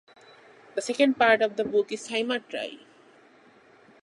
The second part of the book is "Symmetry".